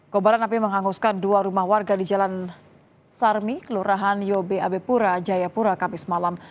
kobaran api menghanguskan dua rumah warga di jalan sarmik lurahan yobe abipura jayapura kamis malam